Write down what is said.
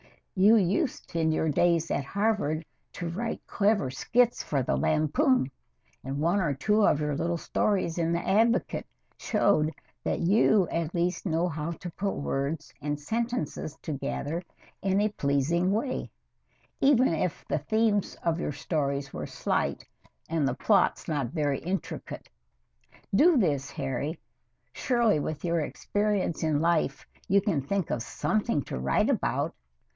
You used in your days at Harvard to write clever skits for the "Lampoon," and one or two of your little stories in the "Advocate" showed that you at least know how to put words and sentences together in a pleasing way, even if the themes of your stories were slight and the plots not very intricate. Do this, Harry. Surely with your experience in life you can think of something to write about.